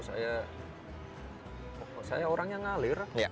saya pokoknya orangnya ngalir